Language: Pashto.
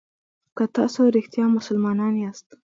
که تاسو رښتیا مسلمانان یاست.